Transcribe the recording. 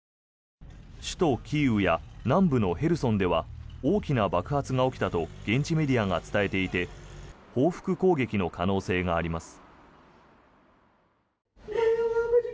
首都キーウや南部のヘルソンでは大きな爆発が起きたと現地メディアが伝えていて報復攻撃の可能性があります。